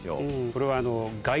これは。